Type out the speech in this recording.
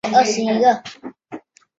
利梅雷默诺维尔。